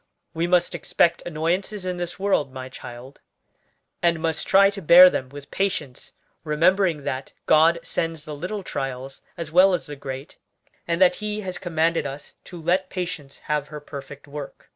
We must expect annoyances in this world, my child; and must try to bear them with patience, remembering that God sends the little trials as well as the great, and that He has commanded us to 'let patience have her perfect work.'